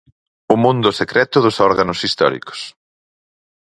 'O mundo secreto dos órganos históricos'.